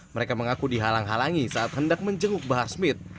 mereka mengaku dihalang halangi saat hendak menjenguk bahar smith